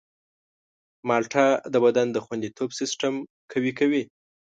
مالټه د بدن د خوندیتوب سیستم قوي کوي.